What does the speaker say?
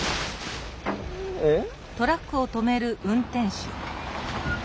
えっ？